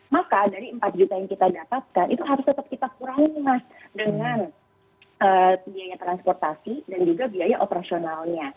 maka dari empat juta yang kita dapatkan itu harus tetap kita kurangi mas dengan biaya transportasi dan juga biaya operasionalnya